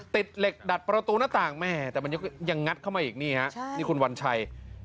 ติดเหล็กดัดประตูหน้าต่างแม่แต่มันยังงัดเข้ามาอีกนี่ฮะนี่คุณวัญชัย